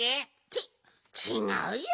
ちちがうよ。